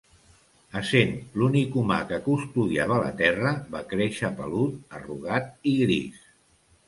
Essent l'únic humà que custodiava la terra, va créixer pelut, arrugat i gris.